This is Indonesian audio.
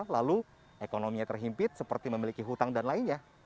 lalu ekonominya terhimpit seperti memiliki hutang dan lainnya